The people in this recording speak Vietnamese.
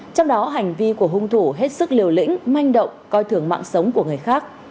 trong đó hành vi của hung thủ hết sức liều lĩnh manh động coi thường mạng sống của người khác